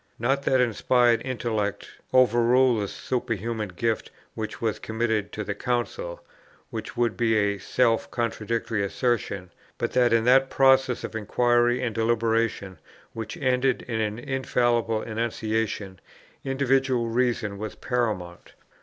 Not that uninspired intellect overruled the super human gift which was committed to the Council, which would be a self contradictory assertion, but that in that process of inquiry and deliberation, which ended in an infallible enunciation, individual reason was paramount.